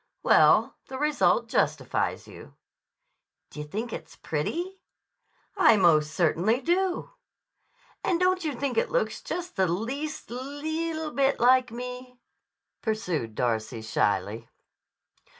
"Well, the result justifies you." "D' you think it's pretty?" "I most certainly do." "And don't you think it looks just the least lee eetle bit like me?" pursued Darcy shyly.